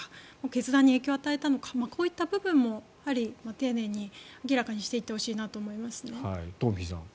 決断に影響を与えたのかこういった部分もやっぱり丁寧に明らかにしていってほしいなと思いますね。